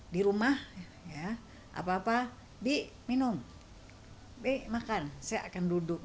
di rumah ya apa apa bi minum bi makan saya akan duduk